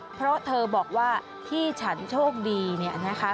เพราะเธอบอกว่าที่ฉันโชคดีเนี่ยนะคะ